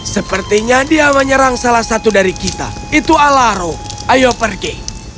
sepertinya dia menyerang salah satu dari kita itu alaro ayo pergi